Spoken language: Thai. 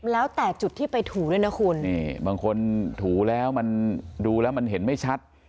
แล้วแต่จุดที่ไปถูด้วยนะคุณนี่บางคนถูแล้วมันดูแล้วมันเห็นไม่ชัด